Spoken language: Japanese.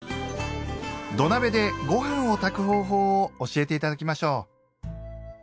土鍋でご飯を炊く方法を教えて頂きましょう。